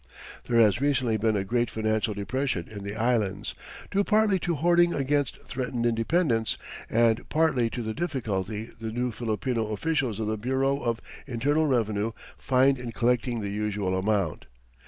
There has recently been a great financial depression in the Islands, due partly to hoarding against threatened independence, and partly to the difficulty the new Filipino officials of the Bureau of Internal Revenue find in collecting the usual amount.